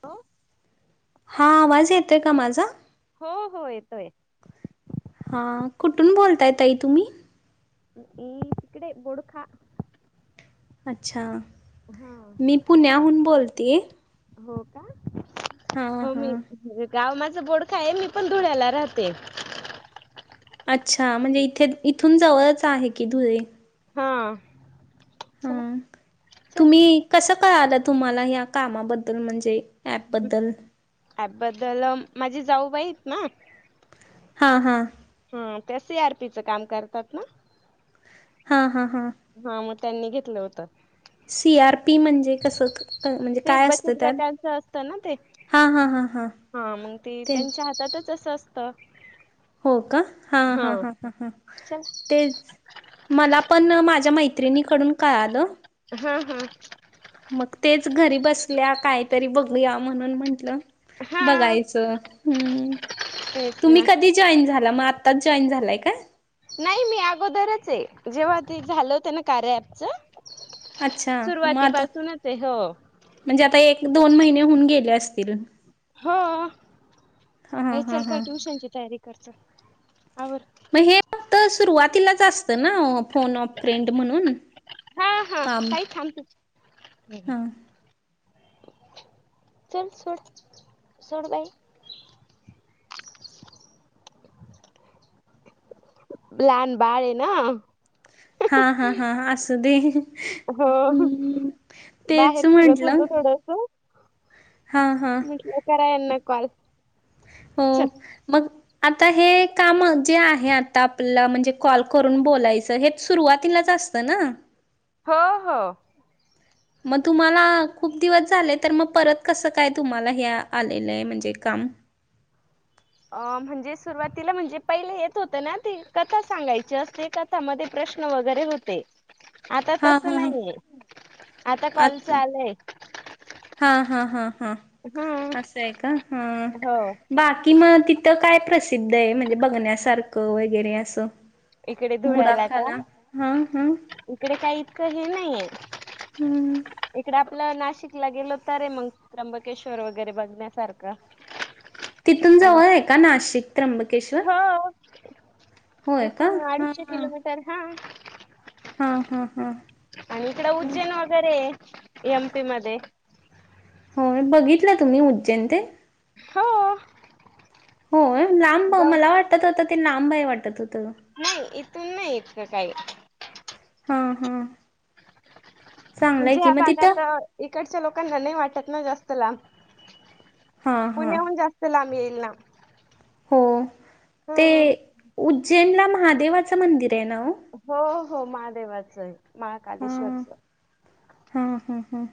अ. हा आवाज येतोय का माझा? हो हो येतोय. हां कुठून बोलताय ताई तुम्ही? अम्म इकडे बोडखा. अच्छा. हा. मी पुण्याहून बोलते. हो का? हो मी- हां गाव माझ बोडखा आहे. मी पण धुळ्याला राहते. अच्छा. म्हणजे इथे इथून जवळच आहे की धुळे. हा. हा. चला चल तुम्ही कसं कळाल तुम्हाला ह्या कामाबद्दल? म्हणजे- ॲपबद्दल. ऍपबद्दल. माझी जाऊ बाईयेत ना? हां हां. हा. त्या सी आर पी चं काम करतात ना. हा हा हा. हा. मग त्यांनी घेतलं होतं. सी आर पी म्हणजे कसं? क- म्हणजे ते काय असतं बचत त्यात? गटाच असत ना ते? हां हां हां हां हा. मग ते त्यांच्या ह- त्यातच असं असतं. हो का? हा हा हा हा हा. चल तेच. मला पण माझ्या मैत्रिणीकडून कळालं. हा हा. मग तेच घरी बसल्या कायतरी बघूया म्हणून म्हंटलं- हा बघायचं. हम्. तेच तुम्ही ना. कधी- जॉईन झाला? मग आत्ताच जॉईन झालाय का? नाही मी अगोदरच आहे. जेव्हा ते झाल होत ना कार्या ऍपच. अच्छा मग आता सुरुवातीपासूनच आहे. हो. म्हणजे आता एक दोन महिने होऊन गेले असतील. हो. हा हा हा चल हा काय ट्युशनची तयारी कर चल. आवर. मग हे फक्त सुरुवातीलाच असतं ना? फोन ऑप फ़्रेंड म्हणून हा काम. [unintelligible] हा चल सोड. सोड बाय. लहान बाळए ना. हा हा हा. अस. [unintelligible] हो. तेच बाहेर फिरत म्हंटलं होते थोडस. हा हा म्हटलं करा यांना कॉल. हो. चल मग- आता हे काम जे आहे आत्ता आपल्याला म्हणजे कॉल करून बोलायचं हे सुरुवातीलाच असत- -त ना? हो हो. मग तुम्हाला खूप दिवस झालेय तर मग परत कसं काय? तुम्हाला हे आलेलंय म्हणजे काम? अ. म्हणजे सुरुवातीला म्हणजे पहिले येत होत ना ते कथा सांगायची असते क- त्यामध्ये प्रश्न वगैरे होते. आता हां तस हां हां. नाहीये. आता कालच आलंय. हा. हा. हा. हा. हम्म असं आहे का? हा. हो बाकी मग तिथं काय प्रसिद्ध आहे म्हणजे बघण्यासारखं वगैरे असं इकडे धुळ्याला का बुढाखाना हम्म हम्म इकडे काही इतकं हे नाहीय हं. इकडे आपल नाशिकला गेलो तर रे मग त्र्यंबकेश्वर वगैरे बघण्यासारखं तिथून आणि जवळ आहे का नाशिक त्र्यंबकेश्वर? हो होय का? इथून अडीचशे हां. किलोमीटर हा हा हा हा आणि इकडं उज्जैन वगैरे एमपी मध्ये होय बघितलय तुम्ही उज्जैन ते? हो होय लांब जाऊ मला वाटतं होत ते लांब आहे वाटतं होतं. नाही इथून नाही इतकं काही हा हा चांगलंय म्हणजे की ह्या मग तिथं भागात इकडच्या लोकांना नाही वाटतं ना जास्त लांब हा हा पुण्याहून जास्त जास्त लाब येईल ना हो ते ह उज्जैनला महादेवाचं मंदिर आहे ना ओ? हो हो महादेवाचं आहे महाकालेश्वरच हम्म हम्म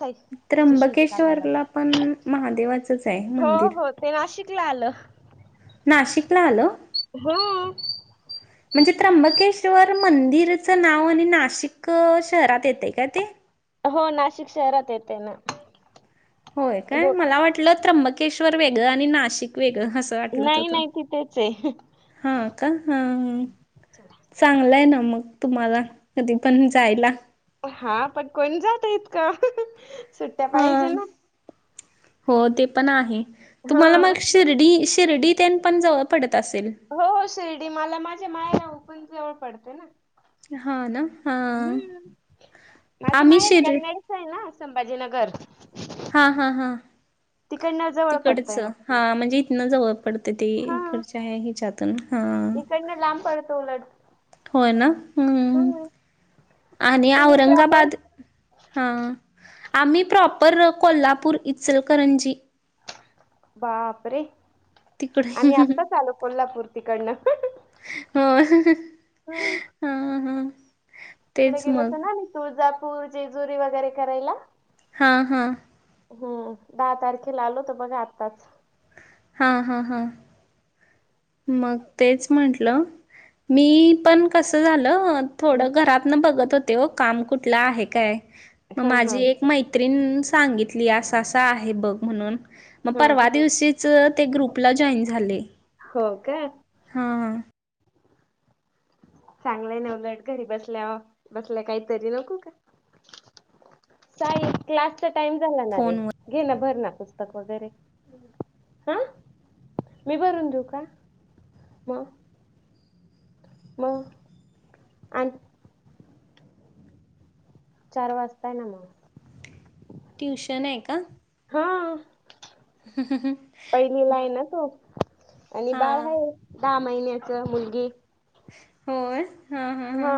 ताई तिचं शूट काढावं त्र्यंबकेश्वरला लागेल पण महादेवाचच आहे हो मंदिर. हो ते नाशिकला आलं. नाशिकला आलं? हम्म म्हणजे त्र्यंबकेश्वर मंदिरचं नाव आणि नाशिक शहरात येतंय काय ते? हो नाशिक शहरात येते ना. होय काय गो मला वाटलं त्र्यंबकेश्वर वेगळं आणि नाशिक वेगळं असं. वाटलं नाही होत नाही तिथेच आहे. का हा चांगलंय ना मग तुम्हाला कधी पण जायला. हा पण कोण जातय इतक सुट्टया हां पाहिजे ना. हो ते पण आहे तुम्हाला हा. मग शिर्डी शिर्डीतेन पण जवळ पडत असेल. हो हो शिर्डी मला माझ्या माहेरहून पण जवळ पडते. हा ना हा हम्म माझं आम्ही माहेर शिर कन्नइ. इथच आहे ना संभाजीनगर. हा हा हा तिकडन जर तिकडचं हा म्हणजे इथनं जवळ पडतय ते हा इकडचं हे हेच्यातून हा इकडनं लांब पडतो उलट होय ना हम्म हम्मआणि तुम्ही प्रॉपर औरंगाबाद हा आम्ही प्रॉपर कोल्हापूर इचलकरंजी बापरे तिकडे आम्ही आत्ताच आलो कोल्हापूर तिकडनं होय हा हा तिकडे गेल होत ना मी तुळजापूर, जेजुरी वगैरे करायला. हा हा. हो. दहा तारखेला आलो तर बघा आत्ताच. हा हा हा. मग तेच म्हटलं, मी पण कस झालं अ थोडं घरातन बघत होते. ओ काम कुठला आहे काय मग हा हा माझी एक मैत्रिण सांगितली अस अस आहे बघ. म्हणून हा परवा, दिवशीच ते ग्रुपला जॉईन झाले. हो काय. हा हा. चांगलंय ना उलट घरी बसल्या बसल्या काहीतरी नको का. साई क्लासचा टाइम झाला ना रे. फोनवर घेणा भर ना पुस्तक वगैरे हा. मी भरून देऊ का मग? मगं. चार वाजताय ना मग. ट्युशन का? हा पहिलीला आहे ना तू. आणि बाळ हां आहे. दहा महिन्याच मुलगी. होय. हा.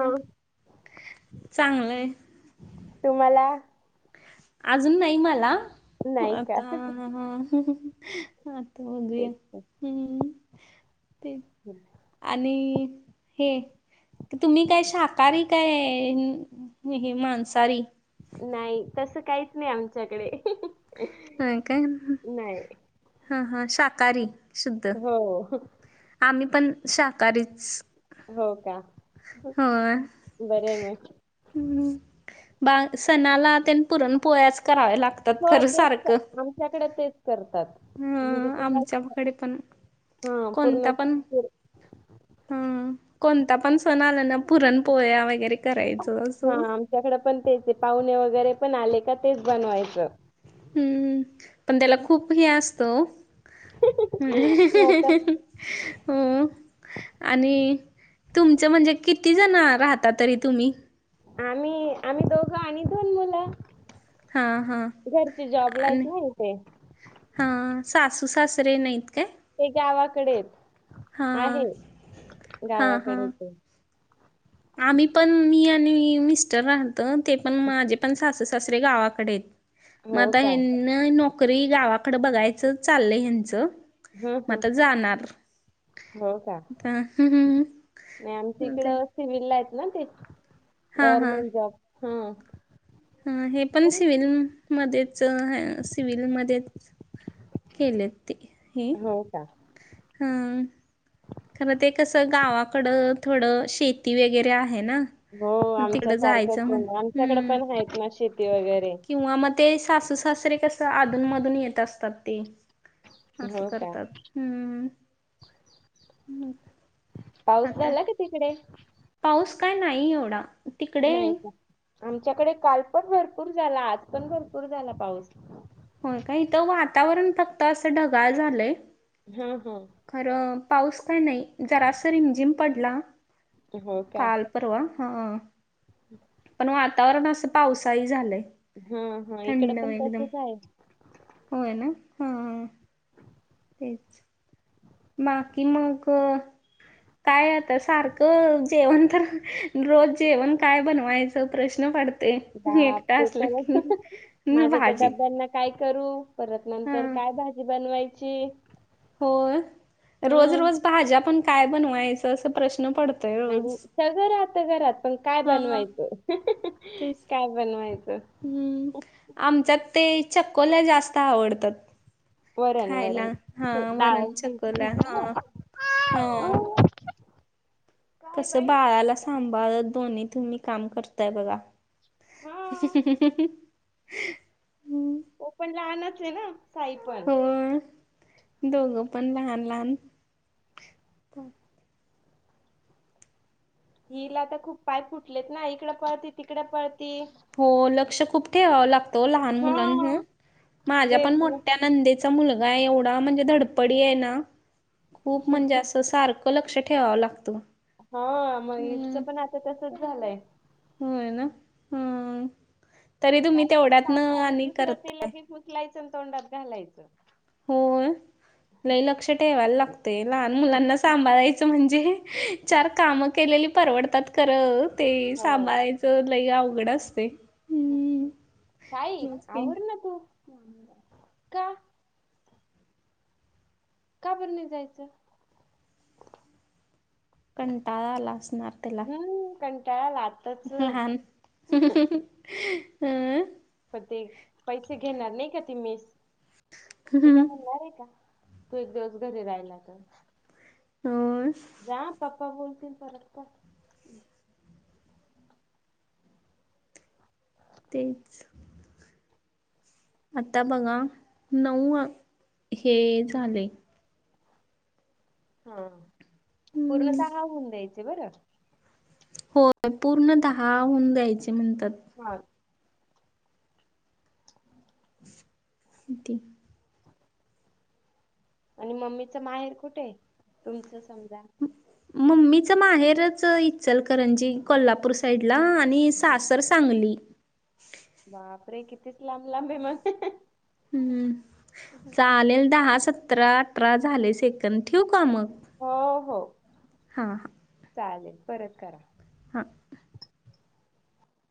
चांगलंय. तुम्हाला? अजून नाही मला नाही का आता. आता होऊदे एक. हम्म ठीक. हम्म. आणि हे. तुम्ही काय शाकाहारी काय हे मासाहारी? नाही. तसं काहीच नाही आमच्याकडे. होय काय नाही हा हा शाकाहारी शुद्ध. हो आम्ही पण शाकाहारीच. हो का. होय बर आहे मग. हम्म बा सणाला तेन पुरण पोळ्याच करायला लागत. हो तेच आमच्याकडे तेच करतात. म्हणजे ह तेव्हा आमच्याकडे पण हा पूरनाची हा कोणता पण सण आला ना. पुरण पोळ्या वगैरे करायचं असं. त्याच्याकड पण त्या पाहुणे वगैरे पण आले का तेच बनवायचं. हम्म पण त्याला खूप हे असतं ओ. आता हो. आणि तुमच म्हणजे किती जण राहता तरी तुम्ही? आम्ही आम्ही दोघं आणि दोन मुलं. हां हां घरचे जॉबला आणि आहेत होय इथे? हां सासू सासरे नाहीत काय? ते गावाकडे आहेत. हां आहेत हां हां गावाकडेच आहेत. आम्ही पण मी आणि मिस्टर राहलत. ते पण माझे पण सासू सासरे गावाकडे आहेत. मग हो आता का यांना, नोकरी गावाकडे बघायचं चाललय ह्यांचं. हं म हं आता जाणार. हो का नही आमच्या हं इकड. ते सिव्हीला येत ना ते, हां गव्हर्मेंट जॉब हं. हं हे पण सिव्हल मध्येच, हं सिव्हलमध्येच. केले ते, हे हो का हम्म. खरं ते कसं गावाकडं थोडं शेती वगैरे आहे ना. हो मग आमच्या तिकडं जायचं सारखंच म्हण म आमच्याकड हम्म पण आहेत ना शेती वगैरे. किंवा मग ते सासू सासरे कस आधूनमधून येत असतात ते. असं हो का करतात हम्म हम्म. पाऊस झाला का तिकडे? पाऊस काय नाही एवढा. तिकडे नाही का, आमच्याकडे काल पण भरपूर झाला, आज पण भरपूर झाला पाऊस. हो काय, इथं वातावरण फक्त असं ढगाळ झालंय. हं हं. खरं, पाऊस का नाही, जरास रिमझिम पडला, हो का काल. परवा, हं, पण वातावरण असं पावसाळी झालंय. हं हं, इकडं थंड पण एकदम तसच हाय. होय ना, हं हं. तेच. बाकी मग?? काय आता सारखं, जेवण तर, रोज जेवण काय बनवायचं प्रश्न पडत बाप ते तर, माझं त त्या भाजी डब्यांना. काय करू? परत हा नंतर काय भाजी बनवायची? होय, रोज हं रोज भाज्या पण काय बनवायचं अस प्रश्न पडतो. आणि, सगळं राहतं घरात. पण काय हा बनवायचं, तेच काय बनवायचं? हम्म, आमच्यात ते, चक्कोल्या जास्त आवडतात. वरण खायला वरण, हा डाळ वरण चकोल्या [unintelligible] हा ना. हा [inaudible] काय कसं बाई बाळाला सांभाळत दोन्ही तुम्ही काम करताय बघा. हा ह्हणं हं ह्हणं. तो पण लहानच य ना, साई पण. हो दोघं पण लहान, लहान. हिला त खूप पाय फुटलेत ना, इकडं पळती, तिकडं पळती. हो, लक्ष खूप ठेवावं लागत ओ लहान मुलांना, हा माझ्या ते पण मोठ्या नंदे चा मुलगा ये एवढा, म्हणजे धडपडी ये ना, खूप म्हणजे अस सार क लक्ष ठेवाव लागत. हां, मयूरच पण आता तसच झालंय. होय ना, हं तरी तुम्ही तेवढ्यात न आणि करताय. ऊचलायचं अन तोंडात घालायचं. होय, लई लक्ष ठेवायला लागतय, लहान मुलांना सांभाळायचं म्हणजे चार काम केलेली परवडतात खरं, ते हो सांभाळायच त लई अवघड असतय. हम्म साई, तेच की आवर ना तू, का? का बर नई जायचं? कंटाळा आला असणार त्याला. कंटाळालात. लहान, हहहह. पण ते, पैसे घेणार नाही का ती मेस. ती का म्हणणार आहे का. तू एक दिवस घरी राहिला तर. अस. जा पप्पा बोलतील. परत कर. तेच. आता बघा. नऊ हे झालय. हा. पूर्ण हम्म दहा होऊन द्यायचे बरं. होय. पूर्ण दहा हुन द्यायचे म्हणतात. हा. ते. [inaudible] आणि मम्मीच माहेर कुठे? तुमचं समजा. मम्मीच माहेरच इचलकरंजी कोल्हापूर साईडला आणि सासर सांगली. बापरे, कितीच लांब लांब आहे मग. हम्म, चालेल दहा सतरा, अठरा झाले सेकंद ठेवू का मग? हो हो. हां. चालेल. परत करा. हा.